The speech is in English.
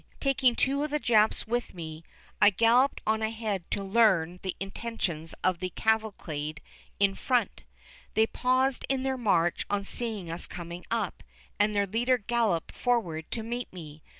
Taking two of the Japs with me, I galloped on ahead to learn the intentions of the cavalcade in front. They paused in their march on seeing us coming up, and their leader galloped forward to meet me.